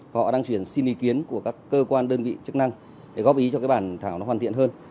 họ đang chuyển xin ý kiến của các cơ quan đơn vị chức năng để góp ý cho bản thảo hoàn thiện hơn